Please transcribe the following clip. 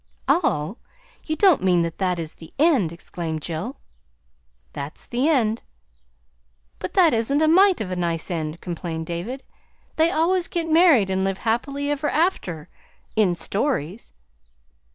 "All! You don't mean that that is the end!" exclaimed Jill. "That's the end." "But that isn't a mite of a nice end," complained David. "They always get married and live happy ever after in stories."